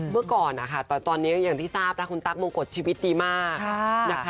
เมื่อก่อนนะคะตอนนี้อย่างที่ทราบนะคุณตั๊กมงกฎชีวิตดีมากนะคะ